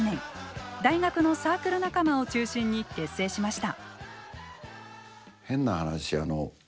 大学のサークル仲間を中心に結成しました。